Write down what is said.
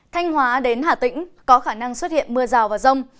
thanh hóa đến hà tĩnh có khả năng xuất hiện mưa rào và rông